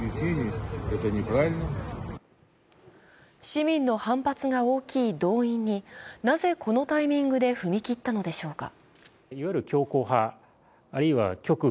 市民の反発が大きい動員になぜこのタイミングで踏み切ったのでしょうか。